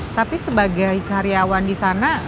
tapi sebagai karyawan di sana